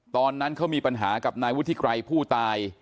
ตอนนั้นเขามีปัญหากับนายวุฒิไกรผู้ตาย